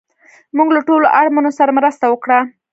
موږ له ټولو اړمنو سره مرسته وکړه